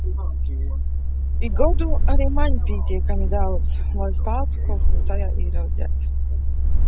Un gadu arī man pietiekami daudz, lai spētu kaut ko tajā ieraudzīt.